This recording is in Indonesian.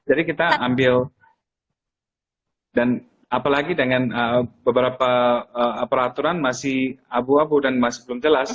jadi kita ambil dan apalagi dengan beberapa peraturan masih abu abu dan masih belum jelas